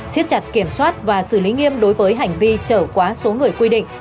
xiết chặt kiểm soát và xử lý nghiêm đối với hành vi trở quá số người quy định